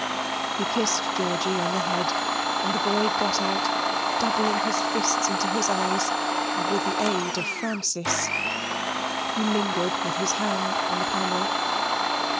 He kissed Georgy on the head, and the boy got out, doubling his fists into his eyes, and with the aid of Francis. He lingered with his hand on the panel.